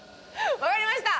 分かりました！